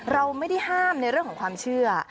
เราไม่ได้ห้ามในเรื่องของความเชื่อ